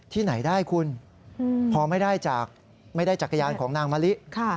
ที่ไหนได้คุณพอไม่ได้จักรยานของนางมะลิ